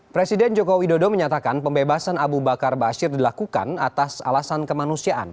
presiden joko widodo menyatakan pembebasan abu bakar bashir dilakukan atas alasan kemanusiaan